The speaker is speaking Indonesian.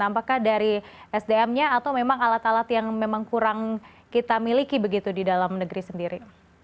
apakah dari sdm nya atau memang alat alat yang memang kurang kita miliki begitu di dalam negeri sendiri